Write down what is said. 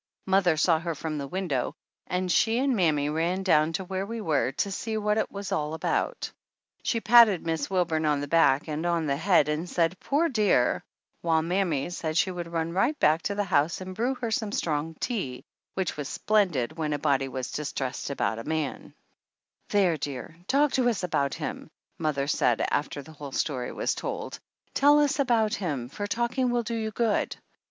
Mother saw her from the window and she and mammy ran down to where we were to see what it was all about. She patted Miss Wilburn on the back and on the head and said, "poor dear," while mammy said she would run right back to the house and brew her some strong tea, which was splendid when a body was distressed about a man. 161 THE ANNALS OF ANN "There, dear, talk to us about him," mother said, after the whole story was told, "tell us about him, for talking will do you good.